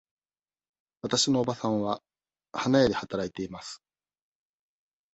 わたしのおばさんは花屋で働いています。